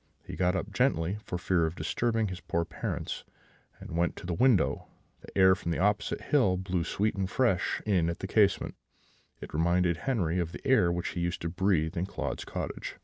He got up gently, for fear of disturbing his poor parents, and went to the window: the air from the opposite hill blew sweet and fresh in at the casement; it reminded Henri of the air which he used to breathe in Claude's cottage.